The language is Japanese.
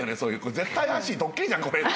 「絶対怪しい」「ドッキリじゃんこれ」って。